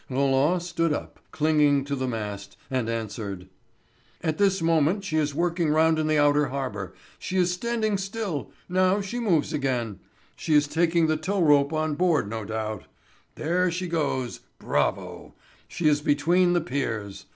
Roland stood up, clinging to the mast, and answered: "At this moment she is working round in the outer harbour. She is standing still—now she moves again! She is taking the tow rope on board no doubt. There she goes. Bravo! She is between the piers!